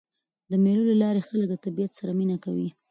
د مېلو له لاري خلک له طبیعت سره مینه کوي.